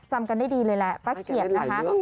จำกันได้ดีเลยแหละป้าเขียดนะคะ